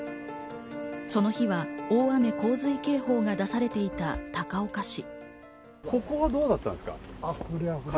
その日は大雨洪水警報が出されていた高岡市。